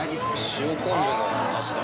塩昆布の味だ。